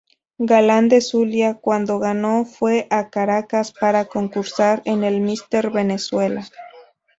Galán del Zulia, cuando ganó fue a Caracas para concursar en el Míster Venezuela.